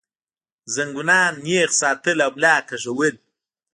زنګونان نېغ ساتل او ملا کږول